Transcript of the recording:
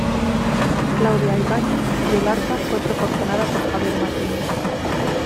Claudia Ibáñez y el arpa fue proporcionada por Javier Martínez.